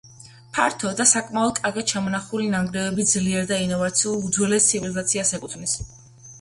ფართო და საკმაოდ კარგად შემონახული ნანგრევები ძლიერ და ინოვაციურ უძველეს ცივილიზაციას ეკუთვნის.